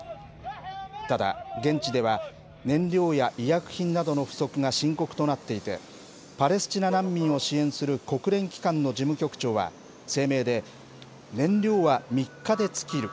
ただ、現地では燃料や医薬品などの不足が深刻となっていて、パレスチナ難民を支援する国連機関の事務局長は声明で、燃料は３日で尽きる。